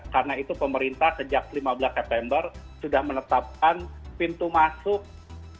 karena itu pemerintah sejak lima belas september sudah menetapkan pintu masuk ke indonesia